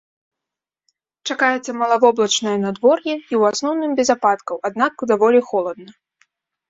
Чакаецца малавоблачнае надвор'е і ў асноўным без ападкаў, аднак даволі холадна.